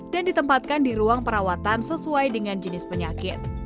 dan ditempatkan di ruang perawatan sesuai dengan jenis penyakit